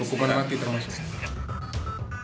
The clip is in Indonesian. hukuman mati termasuk